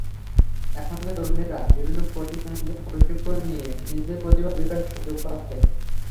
এখনকার তরুণেরা বিভিন্ন প্রতিষ্ঠানের মাধ্যমে প্রশিক্ষণ নিয়ে নিজেদের প্রতিভা বিকাশের সুযোগ পাচ্ছে।